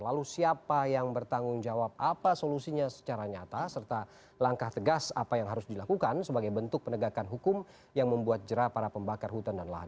lalu siapa yang bertanggung jawab apa solusinya secara nyata serta langkah tegas apa yang harus dilakukan sebagai bentuk penegakan hukum yang membuat jerah para pembakar hutan dan lahan